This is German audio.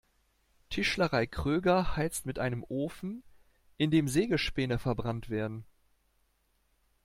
Tischlerei Kröger heizt mit einem Ofen, in dem Sägespäne verbrannt werden.